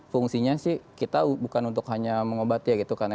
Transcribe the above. fungsinya sih kita bukan untuk hanya mengobati ya gitu kan ya